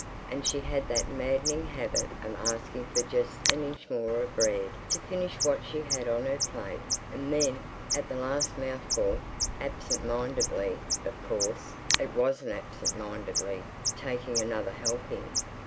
And she had that maddening habit of asking for just an inch more of bread to finish what she had on her plate, and then, at the last mouthful, absent mindedly—of course it wasn't absent mindedly—taking another helping.